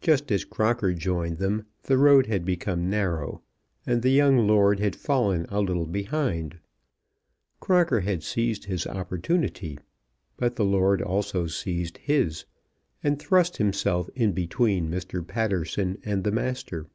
Just as Crocker joined them the road had become narrow, and the young lord had fallen a little behind. Crocker had seized his opportunity; but the lord also seized his, and thrust himself in between Mr. Patterson and the Master.